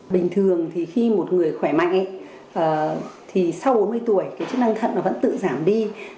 bình thường thì khi một người khỏe mạnh thì sau bốn mươi tuổi cái chức năng thận nó vẫn tự giảm đi